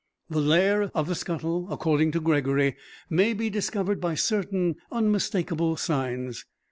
The lair of the scuttle, according to Gregory, may be discovered by certain unmistakable signs.